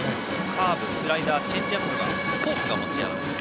カーブ、スライダーチェンジアップフォークが持ち味です。